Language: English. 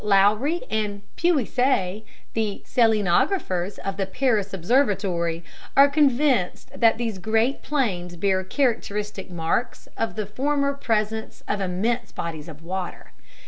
Loewy and Puiseux, the selenographers of the Paris Observatory, are convinced that these great plains bear characteristic marks of the former presence of immense bodies of water.